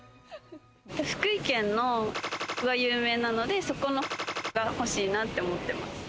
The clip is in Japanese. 福井県のが有名なので、そこのが欲しいなって思ってます。